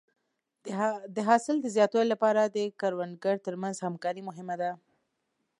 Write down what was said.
د حاصل د زیاتوالي لپاره د کروندګرو تر منځ همکاري مهمه ده.